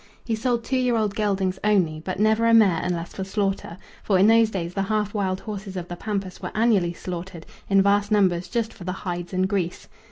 He sold two year old geldings only, but never a mare unless for slaughter, for in those days the half wild horses of the pampas were annually slaughtered in vast numbers just for the hides and grease.